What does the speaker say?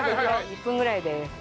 １分ぐらいです。